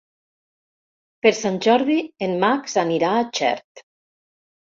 Per Sant Jordi en Max anirà a Xert.